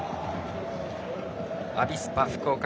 アビスパ福岡